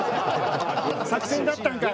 作戦だったんかい！